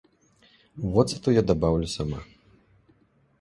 Воцату я дабаўлю сама.